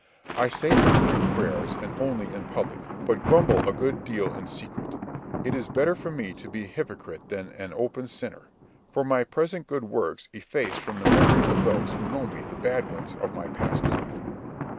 I say but few prayers, and only in public, but grumble a good deal in secret. It is better for me to be a hypocrite than an open sinner; for my present good works efface from the memory of those who know me the bad ones of my past life.